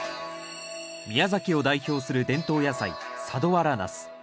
宮崎を代表する伝統野菜佐土原ナス。